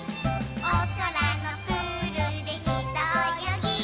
「おそらのプールでひとおよぎ」